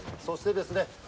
そしてですね